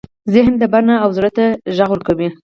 ذهن ته بڼه او زړه ته غږ ورکوي.